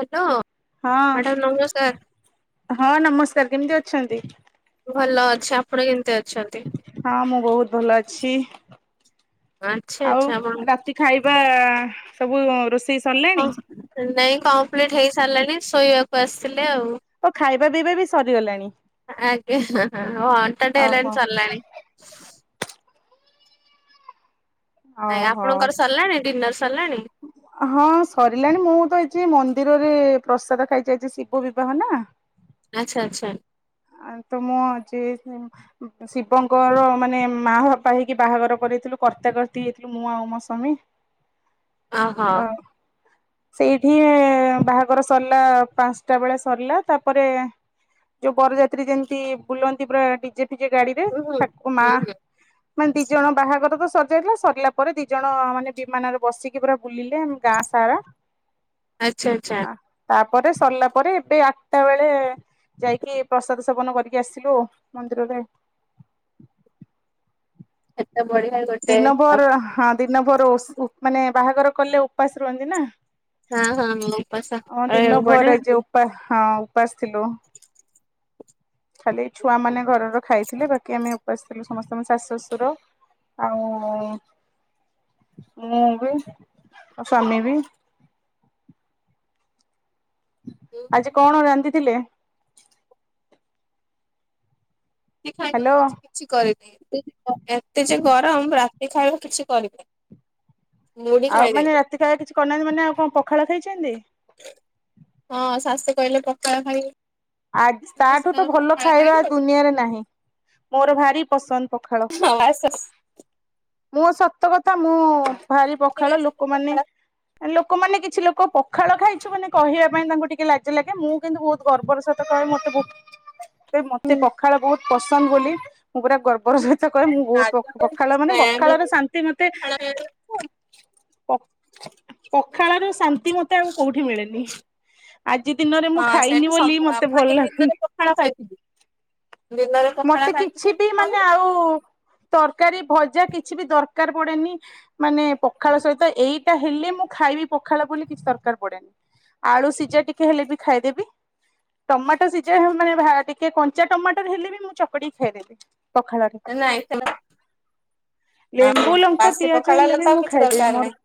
Hello. ହଁ ହଁ ନମସ୍କାର କେମତି ଅ ଛନ୍ତି। ଭଲ ଅଛି ଆପଣ କେମିତି ଅ ହଁ ମୁଁ ବହୁତ ଭଲ ଅଛି ଆଚ୍ଛା ଆଉ ଆଚ୍ଛା ଆପଣ ରାତି ଖାଇବା ସବୁ ରୋଷେଇ ହଁ ସରିଲାଣି? ନାଇଁ କମ୍ପ୍ଲିଟ ହେଇ ସାରିଲାଣି ଶୋଇବାକୁ ଆସିଥିଲି। ଓ ଖାଇବା ପିଇବା ବି ସରିଗଲାଣି। ଆ ଆଣ୍ଟ ଓହୋ ହେଲାଣିରିଲାଣି। ଆ ଓହୋ। ଆପଣଙ୍କର ସରିଲାଣି ଡିନର। ସରିଲାଣି? ହଁ ସରିଲାଣି ମୁଁ ତ ଏଛି ମନ୍ଦି ମନ୍ଦିରରେ ପ୍ରସାଦ ଖାଇଯାଇଛି ଶିବ ବିବାହ ନା। ଆଚ୍ଚ ଆଚ୍ଛା। ଆ ତ ମୁଁ ଯ ଶିବଙ୍କର ମାନେ ମା ବାପା ହେଇକି ବାହାଘର କରଇଥିଲୁ କର୍ତ୍ତ କର୍ତ୍ତି ହୋଇଥିଲୁ ମୁଁ ଆଉ ମୋ ସବାମୀ ହ ହଁ। ସେଇଠି ବାହାଘର ସରିଲା ପାଞ୍ଚଟା ବେଳେ ସରିଲା ତାପରେ ଯୋଉ ବଜତି ଯେମିତି ବୁଲନ୍ତି ପୁରା ଡିଜେ ନିଜେ ଗାଡି ରେ ହୁଁ ହୁଁ ଠାକୁ ମା ହୁଁ ହୁଁ ମାନେ ଦି ଜଣ ବାହାଘର ତ। ସଜାଇଥିଲା ସରିଲା ପରେ ଦି ଜଣ ମାନେ ବିମାନରେ ବସିକି ପୁରା ବୁଲିଲେ ଗାଁ ସାରା। ଆଚ୍ଛା ଆଚ୍ଛା। ପରେ ସରିଲା ପରେ ଏବେ ଆଠଟା ବେଳେ ଯାଇକି ପ୍ରସାଦ ସେବନ କରିକି ଆସିଲୁ ମନ୍ଦିରରୁ। ତ ବଢିଆାଇ ଗୋଟେ। ହଁ ଦିନ ଭର ମାନେ ବାହାଘର କଲେ ଉପାସ ରୁହନ୍ତି ନା। ହଁ ହଁ ମୁପସ ହଁ ଦିନ ଭର ପଡେ। ଯେ ଉପା ହଁ ଉପାସ ଥିଲୁ। ଖାଲି ଛୁଆ ମାନେ ଘରର ଖାଇଥିଲେ ବାକି ଆମେ ଉପାସିଥିଲୁ। ସମସ୍ତଙ୍କ ଶାଶୁ ଶଶୁର ଆଉ ମୁଁ ବି ମୋ ସ୍ୱାମୀ ବି। ରୁଟି ଆଜି କଣ ରାନ୍ଧନ୍ତି? ଥିଲେ। ସେ ହ୍ୟାଲୋ ଖାଇବାକୁ କିଛି କରିରେନି ଏତେ ଯେ ଗରମ ରାତି ଖାଇବା କିଛି କରିବେ। ଆଉ ମାନେ ରାତି ଖ କିଛି କରିନାହାନ୍ତି ମାନେ ଆଉ କଣ ପଖାଳ ଖାଇକ। ଛନ୍ତି। ହଁ ଶାଷ କହିଲେ ପଖାଳ ଖାଇ। ଆ ତାଠୁ ତ ଭଲ ଖାଇବା ଖାଇଲେ ଦୁନିଆରେ ନାହିଁ ମୋର ଭାରି ପସନ୍ଦ ପଖାଳ। ଆଉ ଆସ ମୋ ସତ କଥା ମୁଁ ଭାରି ପଖାଳ ଲୋକମାନେ ପଖାଳ ଲୋକମାନେ କିଛି ଲୋକ ପଖାଳ ଖାଇଛୁ ମାନେ କହିବା ପାଇଁ ତାଙ୍କୁ ଟିକେ ଲାଜ ଲାଗେ ମୁଁ କିନ୍ତୁ ବହୁତ ଗର୍ବର, ସ କହେ ମତେ ବ ମତେ ପଖାଳ ବହୁତ ପସନ୍ଦ ବୋଲି ମୁଁ ପୁରା ଗର୍ବ। ଅପର ସହିତ କରେ ମୁଁ ବହୁତ ପଖାଳ କିଛି ମାନେ ନାଇଁ ଆମେ ପଖାଳର ଶାନ୍ତି ମତେ ପଖାଳ ପଖାଳ ର ଶାନ୍ତି। ମତେ ଆଉ କୋଉଠି ମିଳେନି। ଆଜି ଦିନରେ ମୁଁ ଖାଇନି ବୋଲି ମତେ ଭଲ ହ ଲାଗୁନି। ଦିନରେ ପଖାଳ ଖାଇଥିବି। ମତେ କିଛି ବି ମାନେ ଆଉ ତ ତରକାରୀ ଭଜା କିଛି ବି ଦରକାର ପଡେନି। ମାନେ ପଖାଳ ସହିତ ଏଇ ହେଲେ ମୁଁ ଖାଇବି ପଖାଳ ବୋଲି କିଛି ଦରକାର ପଡେନି ଆଳୁ ସିଝା ଟିକେ ହେଲେ ବି ଖାଇଦେବି ଟମାଟୋ ସିଝା ମାନେ ଟିକେ କଞ୍ଚା ଟମାଟର ହେଲେ ବି ମୁଁ ଚକଡି ଖାଇଦେବି। ପଖାଳରେ ନାଇଁ ଆଉ ଲେମ୍ବୁ ଲଙ୍କା ବାସି ପିଆଜ ପଖାଳ ହେଲେ ତ ବି ଆଉ ମୁଁ କିଛି ଖାଇଦେବି ଦରକାର ମୋର ନାହିଁ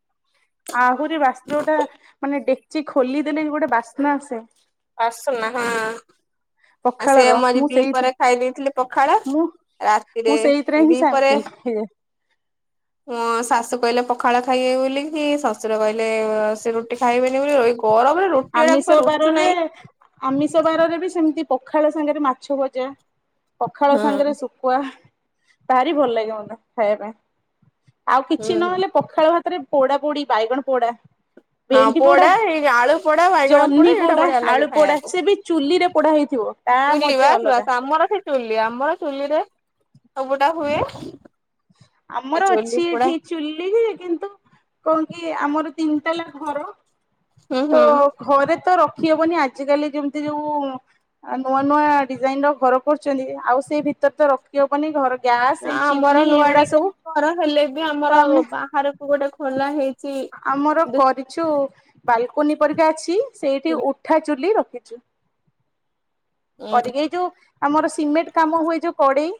ଆହୁରି ବାସ୍ତ୍ରଟା ମାନେ ସେ ଖୋଲି ଦେଲେ ଗୋଟେ ବାସ୍ନା ଆସେ। ବାସ ନା ହଁ। ଆଉ ସେ ପଖାଳର ମ ମୁଁ ଦି ପରେ ସେଇଥିରେ ଖାଇ ଦେଇଥିଲେ ପଖାଳ ମୁଁ ମୁଁ ରାତିରେ ସେଇଥିରେ ହିଁ ଦି ପରେ। ଶାନ୍ତି ହେଇଯାଏ। ହଁ ଶାଶୁ କହିଲେ ପଖାଳ ଖାଇବେ ବୋଲି କି ଶ୍ୱଶୁର କହିଲେ ସେ ରୁଟି ଖାଇବେନି ବୋଲି ରହି ଆମିଷ ବାରରେ ଆମିଷ ବାରରେ ବି ସେମତି ପ ପଖାଳ ସାଙ୍ଗରେ ମାଛ ଭଜା। ପଖାଳ ସାଙ୍ଗରେ ହୁଁ ଶୁଖୁଆ। ଭାରି ଭଲଲାଗେ ମତେ, ଖାଇବା ପାଇଁ। ଆଉ କିଛି ହୁଁ ନହେଲେ ପଖାଳ ଭା ପରେ ପୋଡ଼ା ପୋଡ଼ି ବାଇଗଣ ପୋଡ଼ା। ହଁ ପୋଡା ଏ ଆଳୁ ପୋଡ୍ ଜହ୍ନି ପୋଡା, ଆଳୁ ପୋଡା ସେ ବି ଚୁଲି ରେ ପୋଡା ହେଇଥିବ, ତା ଚୁଲି ମଜା ଅଲଗା। ଲିରେ ସବୁଟା ହୁଏ। ଏ ଆମର ଚୁଲି ଅଛି ପୋଡା ଏଠି ଚୁଲି କିନ୍ତୁ କଣ କି ଆମର ତିନିତାଲା ଘର। ହୁଁ ତ ହୁଁ ଘରେ ତ ର ରଖିହବନି, ଆଜିକାଲି ଯେମିତି ଯୋଉ ନୂଆ ନୂଆ ଡିଜାଇନର ଘର କରୁଛନ୍ତି ଆଉ ସେଇ ଭିତରେ ତ ରଖିହବନି ଘର ଗ୍ୟାସ୍ ହେଇଛିି। [inaudible] ନୂଆ ଡିଜାଇନ୍ ଘର ହେଲେ ବି ଆମର ଆମେ ବାହାରକୁ ଗୋଟେ ଖୋ ଲା ହେଇ ଆମର କରିଛୁ ବାଲକୋନି ପରିକା ଅଛି। ସେଇଠି ଉଠା ଚୁଲି ରଖ୍ [unintelligible] ଅଧିକହେତୁ ଆମର ସିମେଣ୍ଟ୍ କାମ ହୁଏ ଯୋଉ କଡେଇ,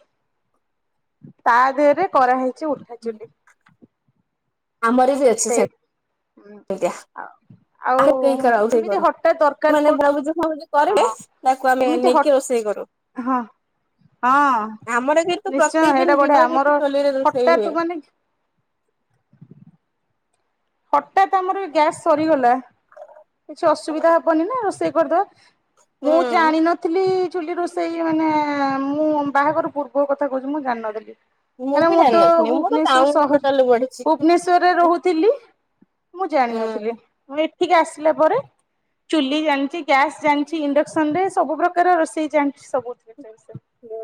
ତା ଦେହରେ କରାହେଇ ଛି ଉଠାଚୁଲି। ଆମର ସେ ଅଛି ସେ। ଆଜ୍ଞା, ଆଉ କେହି ଖରାବେଳେ ଏମିତି ଶୋଇପାରୁନୁ, ହଠାତ୍ ଦରକାର ମାନେ ପଡ ଭାବୁଛୁଫାବୁଛୁ କରିବୁ ହଁ ତାକୁ ଆମେ ଏମିତି ହଁ ନେଇକି ରୋଷେଇ କରୁ, ହଁ। ଆମର କିନ୍ତୁ ନିଶ୍ଚୟ ପ୍ରତ୍ୟେକ ହେଇଟା ଦିନ ବଢିଆ ଦିନରେ ଆମର ଏଠି ଚୁଲିରେ ରୋଷେଇ ହଠାତ୍ ହୁଏ। ମାନେ ହଠାତ୍ ଆମର ଗ୍ୟାସ୍ ସରିଗଲା। କିଛି ଅସୁବିଧା ହବନି ନା ରୋଷେଇ। କରିଦେବ। ମୁଁ ହୁଁ। ଜାଣିନଥିଲି ଚୁଲି ରୋଷେଇ ମାନେଏଏ ମୁଁ ବାହାଘର ପୂର୍ବ କଥା କହୁଛି ମୁଁ ଜାଣି ‌ନ ଥିଲି। ଆରେ ବି ମୁଁ ତ ଜାଣିନଥିଲି ମୁଁ ତ ଭୁବନେଶ୍ଵର ଟାଉନରେ ସହର୍ ଟୋଟାଲି ବଢିଛି। ଭୁବନେଶ୍ୱରେ ହୁଁ ରହୁଥିଲି। ମୁଁ ଜାଣିନଥିଲି। ଏଠିକି ଆସିଲା ପରେ ଚୁଲି ଜାଣିଛି ଗ୍ୟାସ୍ ଜାଣିଛି ଇଣ୍ଡକ୍ସନ ରେ ସବୁ ପ୍ରକାର ରୋଷେଇ ଜାଣିଛି ସବୁ। ହୁଁ।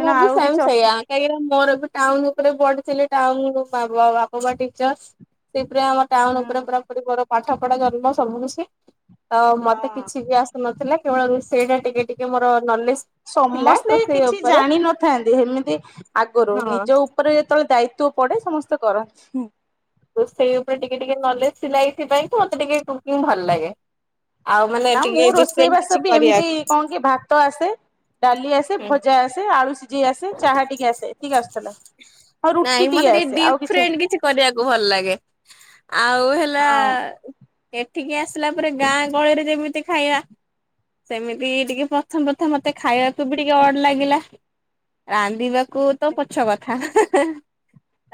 ମୁଁ ବି ଆଉ ସେମ କିଛି ଅସୁ ସେଇୟା କାହିଁକିନା ମୋର ବି ଟାଉନ ରେ ପଢିଥିଲେ ଟାଉନ ବାପା ମା ଟିଚର ଆମ ହୁଁ ଟାଉନ ଉପରେ ପୁରା ବ ପାଠ ପଢା ଗମା ସବୁନ ସେ ଆ ମତେ ହଁ କିଛି ବି ଆସନ ଥିଲା କେବଳ ସେଇଟା ଟିକେ ଟିକେ ମୋର ନଲେଜ ଥିଲା ସମସ୍ତେ ରୋଷେଇ କିଛି ଉପରେ ଜାଣିନଥାନ୍ତି ସେମିତି ଆଗରୁ ହଁ ନିଜ ଉପରେ ଯେତେବେଳେ ଦାୟିତ୍ୱ ତୋ ପରେ ସମସ୍ତେ କରନ୍ତି। ସେଇ ଉପରେ ଟିକେ ଟିକେ ନଲେଜ ସିଲାଇଥିପାଇ କି ମତେ ଟିକେ କୁକିଂ ଭଲ ଲାଗେ। ଆଉ ମାନେ ନା ମୁଁ ଟିକେ ରୋଷେଇ ଡିଫରେଣ୍ଟ କିଛି ବାସ ବି ଏମିତି କରିବାକୁ କଣ କି ଭାତ ଆସେ। ଡାଲି ଆସେ ହୁଁ। ଭଜା ଆସେ ଆଳୁ ସିଝେଇ ଆସେ ଚାହା ଟିକେ ଆସେ ଏତିକି ଆସୁଥିଲା ଆଉ ରୁଟି ନାଇଁ ମତେ ଟିକେ ଆସେ ଡି ଆଉ ଆସେ ଫ୍ରେଣ୍ଡ କିଛି କରିବାକୁ ଭଲ ଲାଗେ ଆଉ ହେଲା। ହଁ ଏଠିକି ଆସିଲା ପରେ ଗାଁ ଗହଳିରେ ଯେମିତି ଖାଇବା ସେମିତି ଟିକେ ପ୍ରଥମ ପ୍ରଥମ ମତେ ଖାଇବାକୁ ବି ଟିକେ ଅଡ ଲାଗିଲା। ରାନ୍ଧିବା। କୁ ତ ପଛ କଥା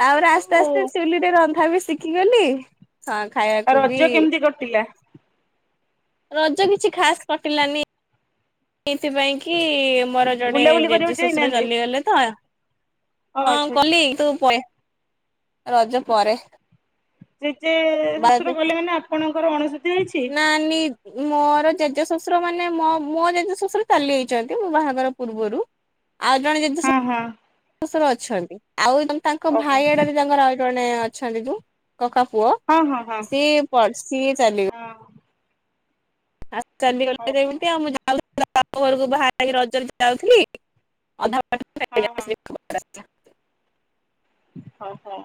ଆଉ କିନ୍ତୁ ଆସ୍ତେ ଆସ୍ତେ ଚଲିରେ ରନ୍ଧା ବି ଶିଖିଗଲି। ହଁ ଖାଇବାକୁ ବି ରଜ କେମିତି କଟିଲା? ରଜ କିଛି ଖାସ କ [unintelligible] ସେଇଥିପାଇଁ କି ମୋର ଜଣେ ବୁଲାବୁଲି ଜେଜେ କରିବାକୁ ଶଶୁର ଯାଇନାହାନ୍ତି ଚାଲିଗଲେ ତ। ଓ ଆଚ୍ଛା ହଁ ଆଚ୍ଛା [inaudible] ରଜ ପରେ ଜେଜେ ଶ୍ୱଶୁର ବାର ଗଲେ ମାନେ ଆପଣ [unintelligible] [inaudible] ମୋର ଜେଜେ ଶଶ୍ ଶଶୁର ମାନେ ମ ମୋ ଜେଜେ ଶ୍ୱଶୁର ଚାଲିଯାଇଛନ୍ତି ମୋ ବାହାଘର ପୂର୍ବରୁ। ଆଉ ଜଣେ ଜେଜେ। ହଁ ହଁ [inaudible] ଅଛନ୍ତି ଆଉ। ତାଙ୍କ ଓହୋ ଭାଇ ଆଡରେ ତାଙ୍କର [inaudible] ଅଛନ୍ତି [inaudible] କକା ପୁଅ ହଁ ହଁ ସିଏ ପ ସିଏ ଚାଲିଗ ହଁ ହଁ ହଁ [unintelligible] ବାପ ଘରକୁ [inaudible] ରଜରେ ଯାଉଥିଲି ଅଧା [unintelligible] [unintelligible] ଓହୋ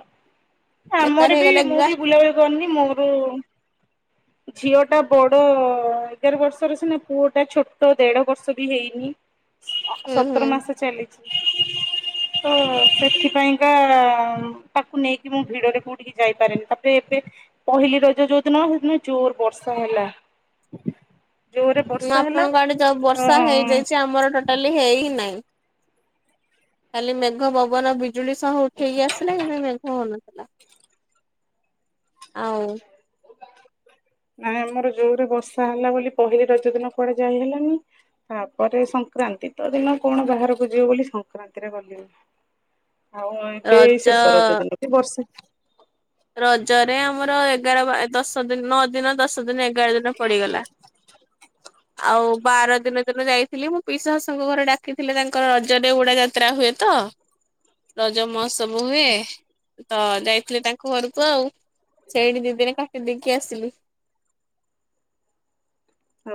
ବେକାର ଆମର ବି ହେଇଗଲେ ମୁଁ ଗା ବି ବୁଲାବୁଲି କରିନି ମୋର ଝିଅ ଟା ବଡ ଏଗାର ବର୍ଷର ସିନା ପୁଅ ଟା ଛୋଟ ଦେଢ ବର୍ଷ ବି ହେଇନି। ହୁଁ ହୁଁ ସତର ମାସ ଚାଲିଛି। ତ ସେଥିପାଇଁ। [inaudible] ତାକୁ ନେଇକି ମୁଁ ଭିଡରେ କୋଉଠିକି ଯାଇପାରେନି ତାପରେ ଏବେ ପହିଲି ରଜ ଯୋଉଦିନ ସେଦିନ ଜୋର ବର୍ଷା ହେଲା। ଜୋରରେ [inaudible] ବର୍ଷା ହେଲା ଆପଣଙ୍କ ଆଡେ ଯୋଉ ତ ବର୍ଷା ହେଇଯାଇଛି ଆମର ଟୋଟାଲି ହେଇ ନାଇଁ ଖାଲି ମେଘ ପବନ ବି ବର୍ଷା ଉଠେଇକି ଆସିଲାଣି ନା ନାହିଁ କଣ ଆଉ ନାଇଁ ଆମର ଯୋରରେ ବର୍ଷା ହେଲା ବୋଲି ପହିଲି ରଜ ଦିନ କୁଆଡେ ଯାଇ ହେଲାନି ତାପରେ ସଂକ୍ରାନ୍ତି ତ ଦିନ କଣ ବାହାରକୁ ଯିବ ବୋଲି ସଂକ୍ରାନ୍ତିରେ ଗଲିନି। ଆଉ ଏବେ ରଜ ଶେଷ ରଜ ଦିନ ବି ବର୍ଷା। ରଜରେ ଆମର ଏଗାର ଦଶ ଦିନ ନଅ ଦିନ ଦଶ। ସେଦିନ ଏଗାର ଦିନ ପଡିଗଲା। ଆଉ ବାର ଦିନ ଦିନ ଯାଇଥିଲି ମୁଁ ପିଇଶାସୁଙ୍କ ଘରେ ଡାକିଥିଲେ ତାଙ୍କର ରଜରେ ଉଡ଼ା ଯାତ୍ରା ହୁଏ ତ ରଜ ମହୋତ୍ସବ ହୁଏ ତ ଯାଇଥିଲେ ତାଙ୍କ ଘରକୁ ଆଉ ସେଇଠି ଦିଦିନି କାଟି ଦେଇକି ଆସିଲି।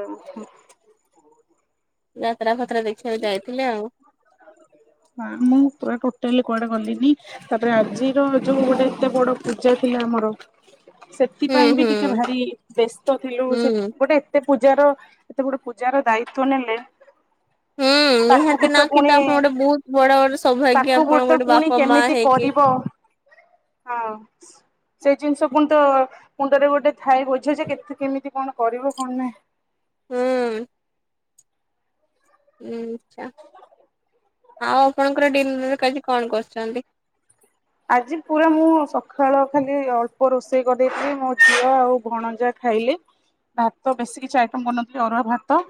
[inaudible] ନା। ମୁଁ ପୁରା ଟୋଟାଲି କୁଆଡେ ଗଲି ତାପରେ ଆଜିର ଯୋଉ ଗୋଟେ ଏତେ ବଡ ପୂଜା ଥିଲା ଆମର ହୁଁ ସେଥିପାଇଁ ବି ହୁଁ ଟିକେ ଭାରି ବ୍ୟସ୍ତ ଥିଲୁ ସେ ହୁଁ। ଗୋଟେ ଏତେ ପୂଜାର ଏତେ ଗୋଟେ ପୂଜାର ଦାୟିତ୍ୱ ନେଲେ ହୁଁ ତାକୁ ବି ନିହାତି ନା କି ପୁଣି ତ ଆପଣ ଗୋଟେ ବହୁତ ବଡ ବଡ ତାକୁ ବି ତ ପୁଣି କେମିତି କରିବ ହଁ। ସେଇ ଜିନିଷ ପୁଣି ତ ମୁଣ୍ଡରେ ଗୋଟେ ଥାଏ ବୋଝ ଯେ କେ କେମିତି କଣ କରିବ କଣ ନାହିଁ। ହୁଁ। ଆଉ ଆପଣଙ୍କର ଡିନର ଆଜି କଣ କରୁଛନ୍ତି? ଆଜି ପୁରା ମୁଁ ସକାଳ ଖାଲି ଅଳ୍ପ ରୋଷେଇ କରିଦେଇଥିଲି ମୋ ଝିଅ ଆଉ ଭଣଯା ଖାଇଲେ ଭାତ ବେଶୀ କିଛି ଆଇଟମ କରିନଥିଲି ଅରୁଆ ଭାତ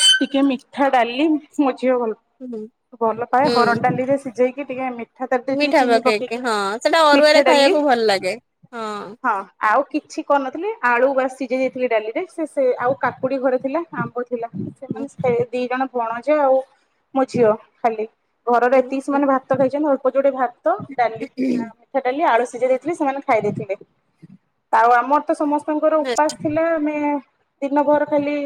ଟିକେ ମିଠା ଡାଲି ଝିଅ ହୁଁ। ଭଲ ପାଏ ହରଡ ହୁଁ ଡାଲିରେ ଯାଇକି ଟିକେ ଏମିତି ମିଠା ଡାଲି ରେ ଟିକେ ଚିନି ପକେଇକି ହଁ ସେଟା ମିଠା ଅରୁଆରେ ଡାଲି ଖାଇବାକୁ ଭଲ ଲାଗେ ହଁ। ଆଉ କିଛି କରିନଥିଲି ଆଳୁ ବାସ୍ ସିଝେଇ ଦେଇଥିଲି ଡାଲିରେ ସେ ସେ ଆଉ କାକୁଡି ଘରେ ଥିଲା ଆମ୍ୱ ଟିକେ ଥିଲା ହଁ ସେମାନେ ସେ ଦି ଜଣ ଭଣଜା ଆଉ ମୋ ଝିଅ ଖାଲି ଘରର ଏତିକି ସେମାନେ ଭାତ ଖାଇଛନ୍ତି ଅଳ୍ପ ଯୋଡେ ଭାତ ଡାଲି ମିଠା ଡାଲି ଆଳୁ ସି ସିଝେଇ ଦେଇଥିଲି ସେମାନେ ଖାଇ ଦେଇଥିଲେ ଆଉ ଆମର ତ ସମସ୍ତେ ତାଙ୍କର ଉପାସ ଥିଲା ଆମେ ଦିନ ଭର ଖାଲି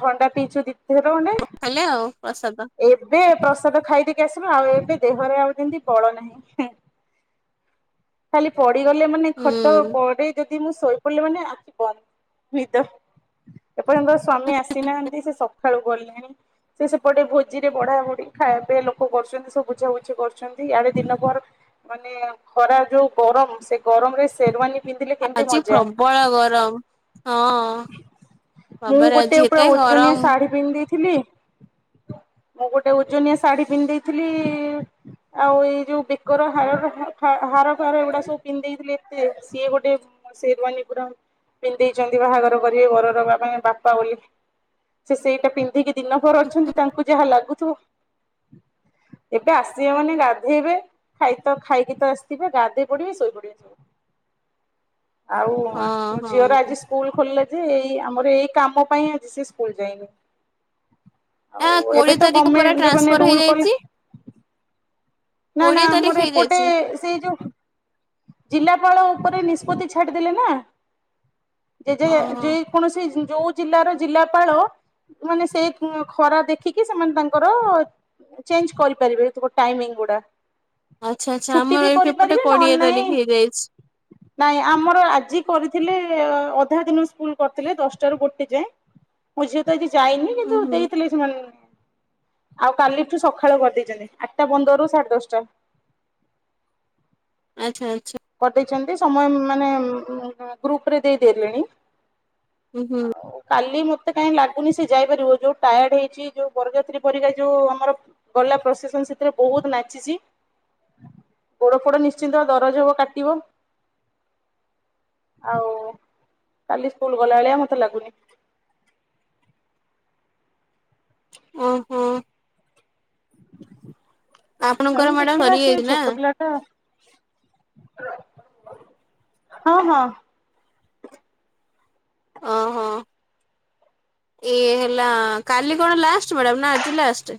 ଥଣ୍ଡା ପିଇଛୁ ଦି ଦି ଥର ଖଣ୍ଡେ ଖାଇଲେ ଆଉ ପ୍ରସାଦ ଏବେ ପ୍ରସ୍ ସେତକ ଖାଇଦେଇକି ଆସିବେ ଆଉ ଏବେ ଦେହରେ ଆଉ ଯେମିତି ବଳ ନାହିଁ। ଖାଲି ପଡି ପଡିଗଲେ ମାନେ ଖଟ ହୁଁ ପଡେ ଯ୍ ଯଦି ମୁଁ ଶୋଇପଡ଼ିଲି ମାନେ ଆଖି ବନ୍ଦ ନିଦ ଏପର୍ଯ୍ୟନ୍ତ ସ୍ଵାମୀ ଆସିନାହାନ୍ତି। ସେ ସକାଳୁ ଗଲେଣି ସେ ସେପଟେ ଭୋଜିରେ ବଢା ବଢି ଖାଇବା ପିବା ଲୋକ କରୁଛନ୍ତି ସବୁ ବୁଝା ବୁଝି କରୁଛନ୍ତି। ଆଡେ ଦିନ ପହର ମାନେ ଖରା ଯୋଉ ଗରମ ସେ ଗରମରେ ସେରୱାନୀ ଆଜି ପ୍ରବଳ ଗରମ ହଁ। ବାବାରେ ଆଜି ଏତେ ଗରମ ଥିଲି ମୁଁ ଗୋଟେ ଓଜନିଆ ଶାଢୀ ପିନ୍ଧେଇଥିଲି ଆଉ ଏଇ ଯୋଉ। ଵେ ଙ୍କର ହାର ହାର ହାର ଫାର ଏଗୁଡା ସବୁ ପିନ୍ଧ ଦେଇେଇଥିଲେ ଏତେ ସିଏ ଗୋଟେ ସେରୱାନୀ ପୁରା ପିନ୍ଧେଇଛନ୍ତି ବାହାଘର କରିବେ ଘରର ବାପାମା ବାପା ବୋଲି। ସେ ସେଇଟା ପିନ୍ଧିକି ଦିନଭର ଅଛନ୍ତି ତାଙ୍କୁ ଯାହା ଲାଗୁଥିବ। ଏବେ ଆସିବେ ମାନେ ଗାଧେଇବେ। ଖାଇ ତ ଖାଇକି ତ ଆସିଥିବେ ଗାଧୋଇ ପଡିବେ ଶୋଇପଡିବେ। ଆଉ ହଁ ହଁ। ଝିଅର ଆଜି ସ୍କୁଲ ଖୋଲିଲା ଯେ ଏଇ ଆମର ଏଇ କାମ ପାଇଁ ଆଜି ସେ ସ୍କୁଲ ଯାଇନି। ଆ ଆଉ ଏବେ କୋଡିଏ ତ ତାରିଖ ପରା ଗମେଣ୍ଟ ମାନେ ଟ୍ରାନ୍ସଫର ରୁଲ କଲେ ହେଇଯାଇଛି ନା ନା କୋଡିଏ ତାରିଖ ମୋର ଏପଟେ ହେଇଯାଇଛି ସେଇ ଯୋଉ ଜିଲ୍ଲାପାଳ ଉପରେ ନିଷ୍ପତ୍ତି ଛାଡ଼ିଦେଲେ ନା। ଯେ ଯେ ଓହୋ। ଯେ କୌଣସି ଯୋଉ ଜିଲ୍ଲାର ଜିଲ୍ଲାପାଳ ମାନେ ସେ ଖରା ଦେଖିକି ସେମାନେ ତାଙ୍କର ଚେଞ୍ଜ କରିପାରିବେ ତା ଟାଇମିଙ୍ଗ ଗୁଡା। ଆଚ୍ଛା ଆଚ୍ଛା ଛୁଟି ଆମର ବି ଏଇ ଏପଟେ କରିପାରିବେ ନହେଲେ କୋଡିଏ ତାରିଖ ନାହିଁ ହେଇଯାଇଛି ନାଇଁ ଆମର ଆଜି କରିଥିଲେ। ଅଧା ଦିନ ସ୍କୁଲ କରିଥିଲେ ଦଶଟାରୁ ଗୋଟେ ଯାଏଁ ମୋ ଝିଅ ତ ଆଜି ଯାଇନି ହୁଁ କିନ୍ତୁ ହୁଁ ଦେଇଥିଲେ ସେମାନେ। ଆଉ କାଲିଠୁ ସକାଳ କରିଦେଇଛନ୍ତି ଆଠଟା ପନ୍ଦରରୁ ସାଢ଼େ ଦଷ୍ଟା। ଆଚ୍ଛା ଆଚ୍ଛ କରିଦେଇଛନ୍ତି ସମୟ ମାନେ ଉଁ ଗ୍ରୁପରେ ଦେଇଦେଲେଣି। ହୁଁ ହୁଁ। ଆଉ କାଲି ମୁଁ ମୋତେ କାଇଁ ଲାଗୁନି ସେ ଯାଇପାରିବ, ଯୋଉ ଟାୟାଡ୍ ହେଇଚି, ଯୋଉ ବରଯାତ୍ରୀ ପରିକା ଯୋଉ ଆମର ଗଲା ପ୍ରସେସନ୍ ସେଥିରେ ବହୁତ ନାଚିଚି, ଗୋଡଫୋଡ ନିଶ୍ଚିତ ଦରଜ ହବ, କା ଟିବ ଆଉ କାଲି ସ୍କୁଲ୍ ଗଲା ଭଳିଆ ମୋତେ ଲାଗୁନି। ଓ ହଁ। ହଉ ମ୍ୟାଡାମ ଦେଖିବା ସେ ସରିଯାଇଛି ନା ଛୋଟ ପିଲା ଟା। ହଁ, ହଁ। ଓହୋ ଏ ହେଲା କାଲି କଣ ଲାଷ୍ଟ ମ୍ୟାଡାମ୍ ନା ଆଜି ଲାଷ୍ଟ?